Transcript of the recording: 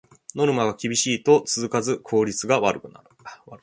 ノルマが厳しいと続かず効率が悪くなる